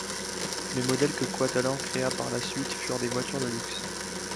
Les modèles que Coatalen créa par la suite furent des voitures de luxe.